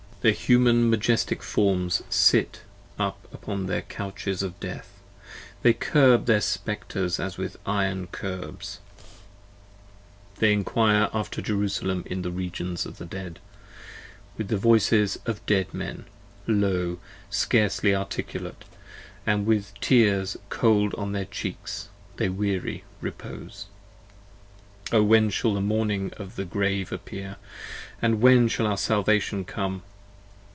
Their Human majestic Forms sit up upon their Couches Of death: they curb their Spectres as with iron curbs: They enquire after Jerusalem in the regions of the dead, With the voices of dead men, low, scarcely articulate, 70 And with tears cold on their cheeks they weary repose. O when shall the morning of the grave appear, and when Shall our salvation come?